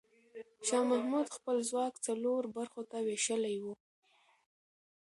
شاه محمود خپل ځواک څلور برخو ته وېشلی و.